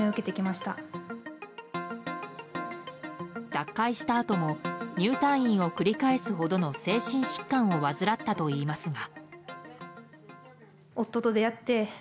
脱会したあとも入退院を繰り返すほどの精神疾患を患ったといいますが。